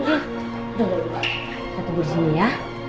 kita tunggu di sini ya